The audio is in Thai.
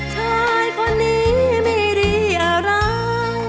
ชายคนนี้ไม่ได้อะไร